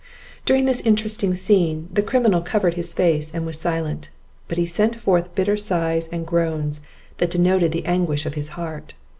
During this interesting scene, the criminal covered his face, and was silent; but he sent forth bitter sighs and groans that denoted the anguish of his heart.